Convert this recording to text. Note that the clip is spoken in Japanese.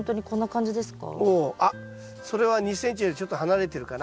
あっそれは２ｃｍよりちょっと離れてるかな。